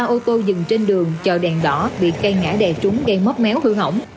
ba ô tô dừng trên đường trời đèn đỏ bị cây ngã đè trúng gây mất méo hương hỏng